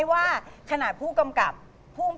ช่างไฟค่อยโยง